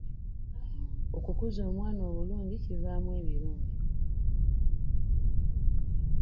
Okukuza omwana obulungi kivaamu ebirungi.